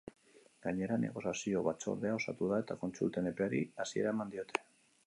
Gainera, negoziazio batzordea osatu da eta kontsulten epeari hasiera eman diote.